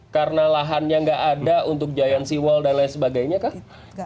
karena lahannya tidak ada untuk jayaan siwal dan lain sebagainya kak